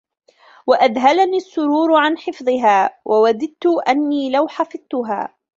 وَأَذْهَلَنِي السُّرُورُ عَنْ حِفْظِهَا وَوَدِدْت أَنِّي لَوْ حَفِظْتهَا